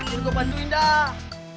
jangan gue bantu indah